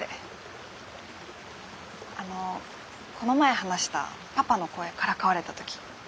あのこの前話したパパの声からかわれた時。